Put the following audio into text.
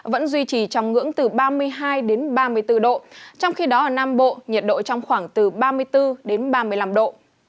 vẫn duy trì trong ngưỡng từ ba mươi hai ba mươi bốn độ trong khi đó ở nam bộ nhiệt độ trong khoảng từ ba mươi bốn đến ba mươi năm độ